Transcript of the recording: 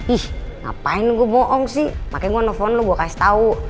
ih ngapain gue bohong sih makanya gue nelfon lo gue kasih tau